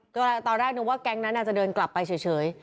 ก็ตอนแรกนึกว่าแก๊งนั้นอาจจะเดินกลับไปเฉย